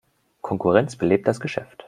Konkurrenz belebt das Geschäft.